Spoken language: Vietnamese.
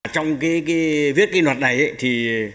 trong cái viết cái luật này ấy thì